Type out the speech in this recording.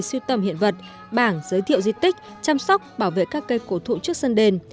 sưu tầm hiện vật bảng giới thiệu di tích chăm sóc bảo vệ các cây cổ thụ trước sân đền